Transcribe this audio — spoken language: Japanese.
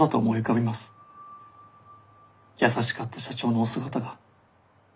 優しかった社長のお姿が。